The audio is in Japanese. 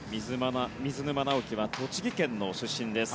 水沼尚輝は栃木県の出身です。